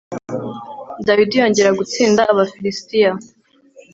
dawidi yongera gutsinda abafilisitiya